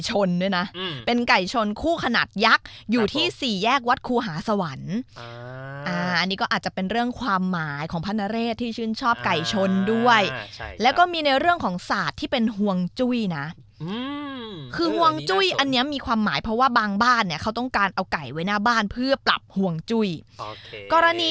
ใช่ไหมคะหรือแม้แต่นั่งโรงนั่งรำอะไรแบบนี้